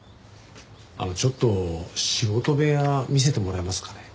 あのちょっと仕事部屋見せてもらえますかね？